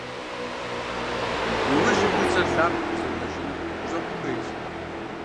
Уи ужьым уи цӀэр лъапӀэу къызэрынэжыным хущӀэкъун хуейщ.